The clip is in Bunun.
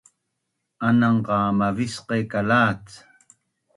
anang qa mavicqe’ kalacc